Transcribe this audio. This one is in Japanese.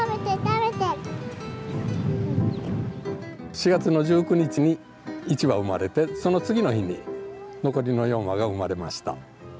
４月の１９日に１羽生まれてその次の日に残りの４羽が生まれました。